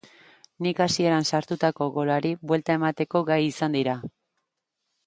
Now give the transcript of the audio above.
Nik hasieran sartutako golari buelta emateko gai izan dira.